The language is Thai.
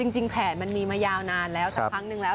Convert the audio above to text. แผนมันมีมายาวนานแล้วสักครั้งนึงแล้ว